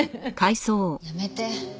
やめて。